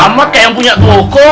walaukamad yang punya toko